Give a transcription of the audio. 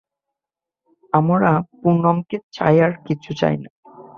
আমরা পুনমকে চাই আর কিছু না।